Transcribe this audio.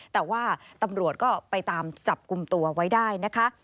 แต่ว่าตำรวจก็ไปตามจับกลุ่มตัวไว้ได้นะคะ